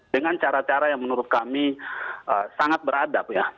dengan cara cara yang menurut kami sangat beradab ya